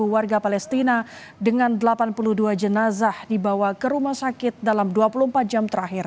tiga puluh warga palestina dengan delapan puluh dua jenazah dibawa ke rumah sakit dalam dua puluh empat jam terakhir